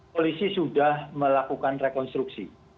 polisi sudah melakukan rekonstruksi